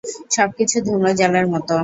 সবকিছু ধূম্রজালের মতো!